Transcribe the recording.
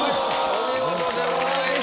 お見事でございました。